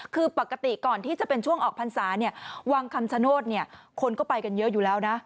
คือปกติก่อนที่จะเป็นช่วงออกพรรษาเนี่ยวังคำชโนธคนก็ไปกันเยอะอยู่แล้วนะ